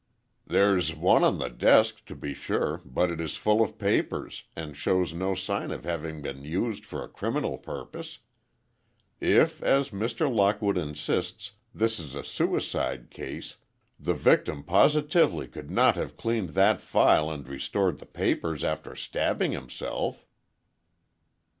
"There's one on the desk, to be sure, but it is full of papers, and shows no sign of having been used for a criminal purpose. If, as Mr. Lockwood insists, this is a suicide case, the victim positively could not have cleaned that file and restored the papers after stabbing himself!"